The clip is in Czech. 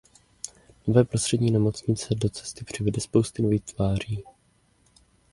Nové prostředí nemocnice jim do cesty přivede spousty nových tváří.